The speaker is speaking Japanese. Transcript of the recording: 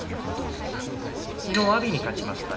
昨日、阿炎に勝ちました。